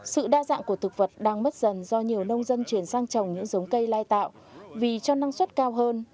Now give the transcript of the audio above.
sự đa dạng của thực vật đang mất dần do nhiều nông dân chuyển sang trồng những giống cây lai tạo vì cho năng suất cao hơn